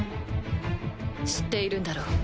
知っているんだろう？